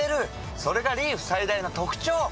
それがリーフ最大の特長！